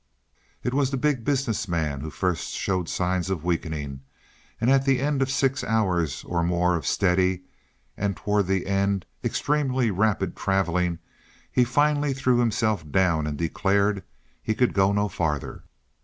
It was the Big Business Man who first showed signs of weakening, and at the end of six hours or more of steady and, towards the end, extremely rapid traveling he finally threw himself down and declared he could go no farther.